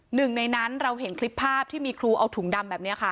หนึ่งในนั้นเราเห็นคลิปภาพที่มีครูเอาถุงดำแบบนี้ค่ะ